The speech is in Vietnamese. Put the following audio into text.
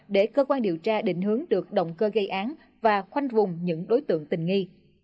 để cơ quan điều tra định hướng được động cơ gây án và khoanh vùng những đối tượng tình nghi